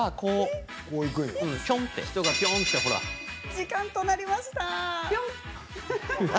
時間となりました。